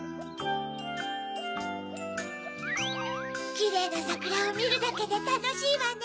キレイなさくらをみるだけでたのしいわね。